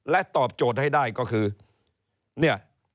และตอบโจทย์ให้ได้ก็คือ